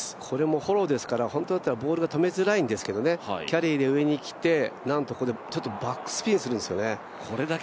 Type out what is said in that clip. これもフォローですから本当はボール止めづらいんですけどキャリーで上にきて、なんとここでバックスピンするんですよね。